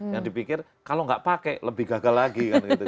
yang dipikir kalau tidak pakai lebih gagal lagi